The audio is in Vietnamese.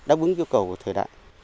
đáp ứng yêu cầu của thời đại